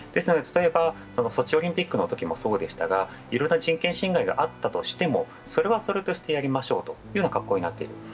例えばソチオリンピックのときもそうでしたが、いろんな人権侵害があったとしても、それはそれとしてやりましょうという格好になっている。